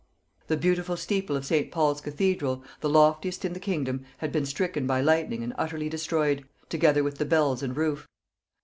The beautiful steeple of St. Paul's cathedral, the loftiest in the kingdom, had been stricken by lightning and utterly destroyed, together with the bells and roof.